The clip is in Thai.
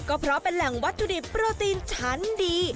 ก็เพราะเป็นแหล่งวัตถุดิบโปรตีนชั้นดี